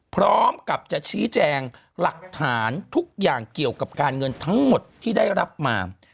พร้อมกับจะชี้แจงหลักฐานทุกอย่างเกี่ยวกับการเงินทั้งหมดที่ได้รับมา